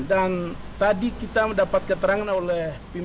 dan tadi kita mendapat keterangan oleh